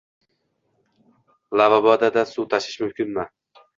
Lavaboda suv tashish mumkinmi?